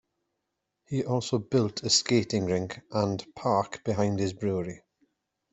He also built a skating rink and park behind his brewery.